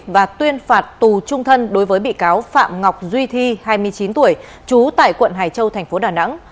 và tuyên phạt tù trung thân đối với bị cáo phạm ngọc duy thi hai mươi chín tuổi trú tại quận hải châu thành phố đà nẵng